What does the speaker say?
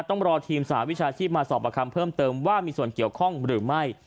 ต้องรอทีมสหวิชาชีพมาสอบประคำเพิ่มเติมว่ามีส่วนเกี่ยวข้องหรือไม่